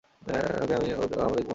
মানে, আপনি কে আমাদেরকে প্রশ্ন করার?